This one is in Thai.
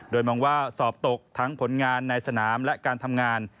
โดยมองว่าสอบตกทั้งผลงานในสนามและการทำงาน